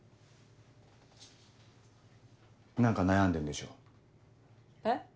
何か悩んでんでしょ？え？